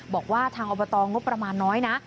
บอกว่าทางอบตงบประมาณน้อยนะ